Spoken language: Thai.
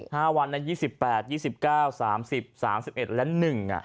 วันนั้นยี่สิบแปดยี่สิบเก้าสามสิบสามสิบเอ็ดและหนึ่งอ่ะ